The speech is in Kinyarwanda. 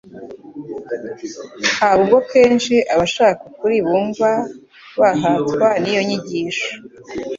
Haba ubwo kenshi abashaka ukuri bumva bahatwa n'iyo nyigisho